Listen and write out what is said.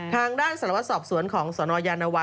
ทางด้านสารวัตรสอบสวนของสนยานวา